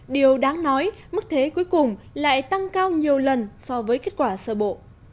điều đáng nói mức thế cuối cùng lại tăng cao nhiều lần so với kết quả sau